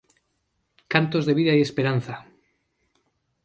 Cantos de vida y esperanza.